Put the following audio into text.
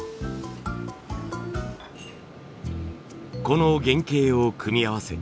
この原型を組み合わせ